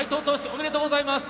おめでとうございます！